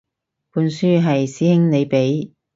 本書係師兄你畀